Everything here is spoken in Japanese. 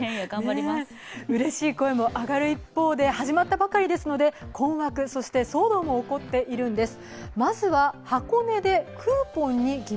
うれしい声も上がる一方で始まったばかりですので困惑、そして騒動も起こっているんです。